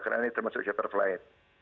karena ini termasuk sektor flight